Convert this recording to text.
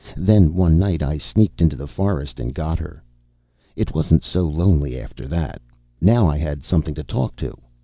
Then, one night, I sneaked into the forest and got her. It wasn't so lonely after that. Now I had something to talk to.